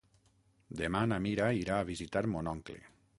Demà na Mira irà a visitar mon oncle.